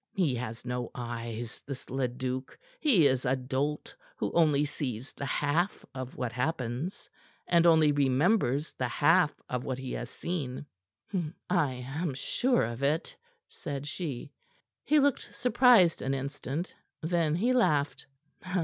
He has no eyes, this Leduc. He is a dolt, who only sees the half of what happens, and only remembers the half of what he has seen." "I am sure of it," said she. He looked surprised an instant. Then he laughed.